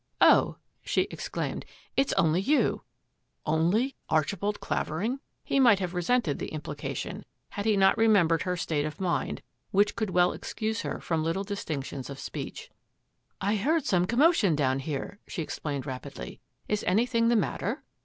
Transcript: " Oh,'' she exclaimed, " it is only you !"" Only " Archibald Clavering ! He might have resented the implication had he not remembered her state of mind, which could well excuse her from little distinctions of speech. " I heard some commotion down here," she ex plained rapidly. " Is anything the matter?